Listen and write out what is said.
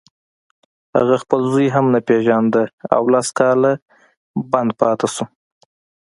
هغه خپل زوی هم نه پېژانده او لس کاله بند پاتې شو